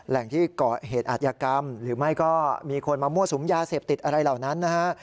แหล่งที่เกาะเหตุอาธิกรรมหรือไม่ก็มีคนมามั่วสุมยาเสพติดอะไรเหล่านั้นนะฮะ